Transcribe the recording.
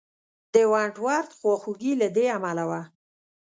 د ونټ ورت خواخوږي له دې امله وه.